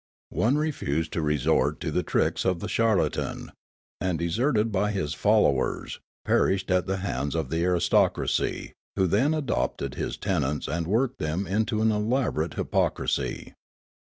One refused to resort to the tricks of the char latan, and, deserted b}^ his followers, perished at the hands of the aristocracy, who then adopted his tenets and worked them into an elaborate hypocrisy.